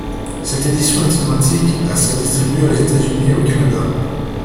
Cette édition est identique à celle distribuée aux États-Unis et au Canada.